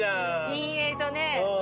陰影とね。